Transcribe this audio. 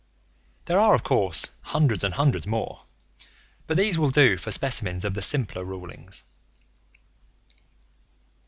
There are, of course, hundreds and hundreds more, but these will do for specimens of the simpler rulings.